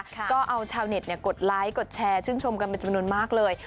ก็เอาชาวเน็ตกดไลค์กดแชร์ชื่นชมกันเป็นจำนวนมากเลย